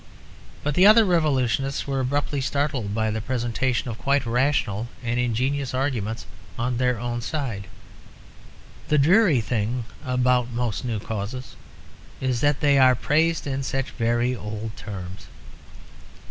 But the other revolutionists were abruptly startled by the presentation of quite rational and ingenious arguments on their own side. The dreary thing about most new causes is that they are praised in such very old terms.